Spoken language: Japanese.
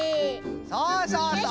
そうそうそう！